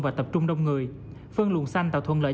và tập trung đông người phân luồng xanh tạo thuận lợi